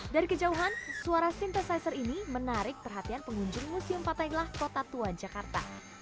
dari kejauhan suara synthesizer ini menarik perhatian pengunjung museum patailah kota tua jakarta